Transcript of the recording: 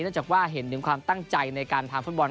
จากว่าเห็นถึงความตั้งใจในการทำฟุตบอล